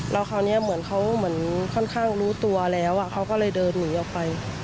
แล้วคราวนี้เหมือนเขาเหมือนค่อนข้างรู้ตัวแล้วเขาก็เลยเดินหนีออกไป